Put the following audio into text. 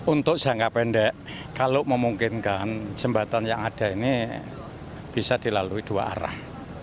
untuk jangka pendek kalau memungkinkan jembatan yang ada ini bisa dilalui dua arah